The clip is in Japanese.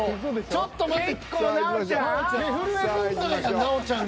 ちょっと待って。